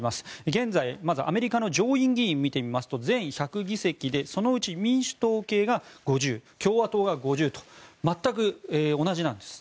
現在アメリカの上院議員みてみますと全１００議席でそのうち民主党系が５０共和党が５０と全く同じなんです。